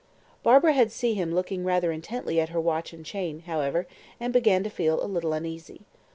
Barbara had seen him looking rather intently at her watch and chain, however, and began to feel a little uneasy.